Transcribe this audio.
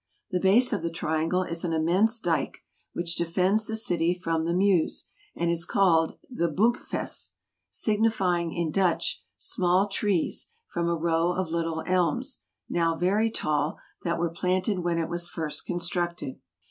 The base of the triangle is an immense dyke, which defends the city from the Meuse, and is called the Boompfes, signifying, in Dutch, small trees, from a row of little elms, now very tall, that were planted when it was first constructed.